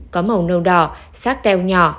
có màu nâu đỏ xác teo nhỏ